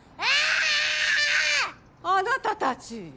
あなたたち！